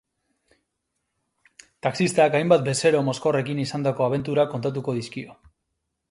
Taxistak hainbat bezero mozkorrekin izandako abenturak kontatuko dizkio.